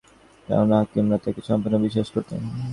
কেননা, হাকিমরা তাঁকে সম্পূর্ণ বিশ্বাস করতেন।